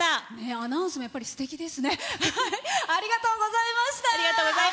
アナウンスも、やっぱりすてきですね。